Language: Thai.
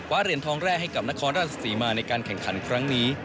เหรียญทองแรกให้กับนครราชสีมาในการแข่งขันครั้งนี้